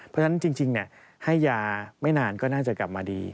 เพราะฉะนั้นจริงให้ยาไม่นานก็น่าจะกลับมาดี